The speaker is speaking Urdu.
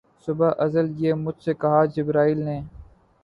صبح ازل یہ مجھ سے کہا جبرئیل نے